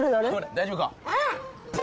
大丈夫か？